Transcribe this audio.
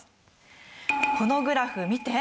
このグラフ見て。